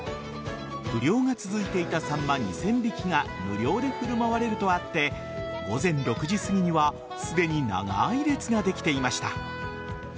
不漁が続いていたサンマ２０００匹が無料で振る舞われるとあって午前６時すぎにはすでに長い列ができていました。